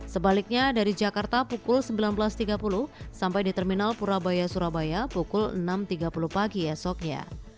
sebaliknya dari jakarta pukul sembilan belas tiga puluh sampai di terminal purabaya surabaya pukul enam tiga puluh pagi esoknya